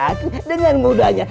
aku dengan mudahnya